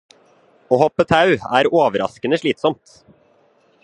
Å hoppe tau er overraskende slitsomt